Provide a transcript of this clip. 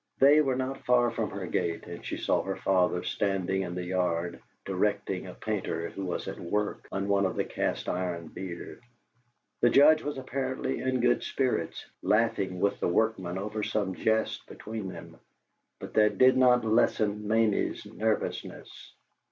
They were not far from her gate, and she saw her father standing in the yard, directing a painter who was at work on one of the cast iron deer. The Judge was apparently in good spirits, laughing with the workman over some jest between them, but that did not lessen Mamie's nervousness.